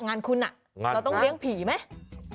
งานคุณเราต้องเลี้ยงผีไหม